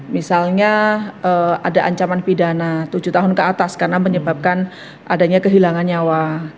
misalnya ada ancaman pidana tujuh tahun ke atas karena menyebabkan adanya kehilangan nyawa